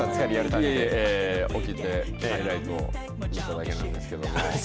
いえ、起きてハイライトを見ただけなんですけど。